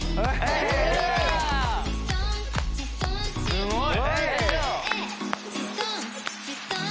すごい！